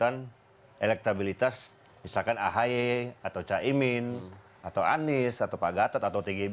jadi kita harus menunggu kemudian elektabilitas misalkan ahy atau caimin atau anis atau pagatat atau tgb